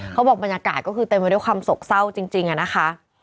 บอกบรรยากาศก็คือเต็มไปด้วยความโศกเศร้าจริงอะนะคะ